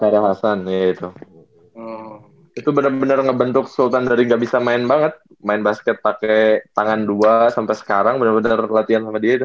iya sharel hasan iya itu itu bener bener ngebentuk sultan dari gak bisa main banget main basket pake tangan dua sampe sekarang bener bener latihan sama dia itu